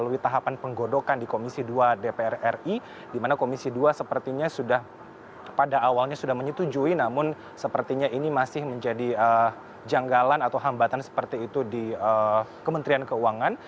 melalui tahapan penggodokan di komisi dua dpr ri di mana komisi dua sepertinya sudah pada awalnya sudah menyetujui namun sepertinya ini masih menjadi janggalan atau hambatan seperti itu di kementerian keuangan